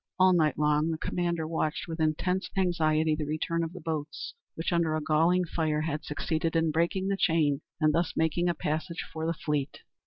All night long the commander watched with intense anxiety the return of the boats, which under a galling fire had succeeded in breaking the chain, and thus making a passage for the fleet.